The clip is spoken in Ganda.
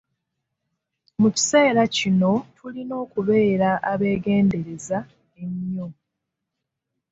Mu kiseera kino tulina okubeera abeegendereza ennyo.